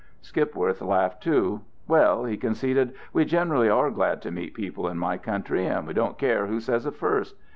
Skipworth laughed too. "Well," he conceded, "we generally are glad to meet people in my country, and we don't care who says it first.